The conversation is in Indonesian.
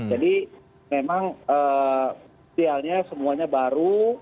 jadi memang idealnya semuanya baru